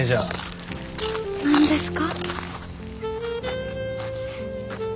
何ですか？